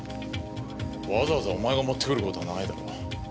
わざわざお前が持ってくることはないだろ。